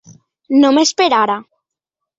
Només per ara.